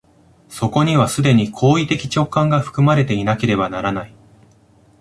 そこには既に行為的直観が含まれていなければならない。